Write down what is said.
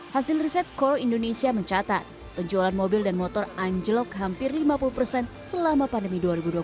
hasil riset core indonesia mencatat penjualan mobil dan motor anjlok hampir lima puluh persen selama pandemi dua ribu dua puluh satu